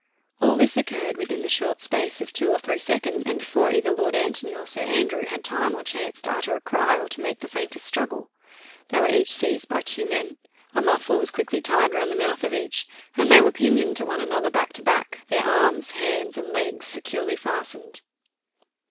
All this occurred within the short space of two or three seconds, and before either Lord Antony or Sir Andrew had time or chance to utter a cry or to make the faintest struggle. They were each seized by two men, a muffler was quickly tied round the mouth of each, and they were pinioned to one another back to back, their arms, hands, and legs securely fastened.